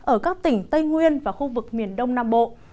ở các tỉnh tây nguyên và khu vực miền đông nam bộ